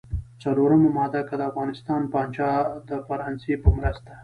څلورمه ماده: که د افغانستان پاچا د فرانسې په مرسته.